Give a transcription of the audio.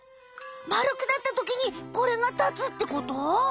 まるくなったときにこれがたつってこと？